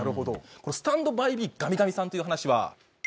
この「スタンドバイミーガミガミさん」という話は。